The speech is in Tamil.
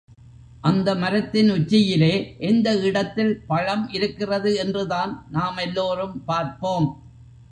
அந்த மரத்தின் உச்சியிலே எந்த இடத்தில் பழம் இருக்கிறது என்றுதான் நாம் எல்லோரும் பார்ப்போம்.